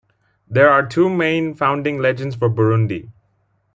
There are two main founding legends for Burundi.